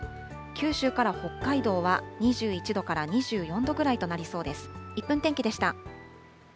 九州から北海道は、２１度から２４度ぐらいとなりそうです。